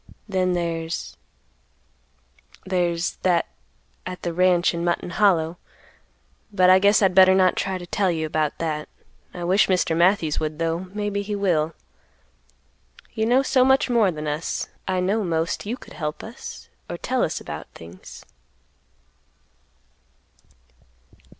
Then there's—there's—that at the ranch in Mutton Hollow; but I guess I'd better not try to tell you about that. I wish Mr. Matthews would, though; maybe he will. You know so much more than us; I know most you could help us or tell us about things."